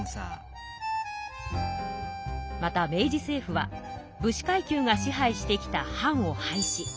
また明治政府は武士階級が支配してきた藩を廃止。